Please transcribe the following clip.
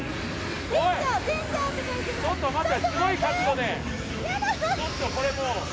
ちょっとこれもう。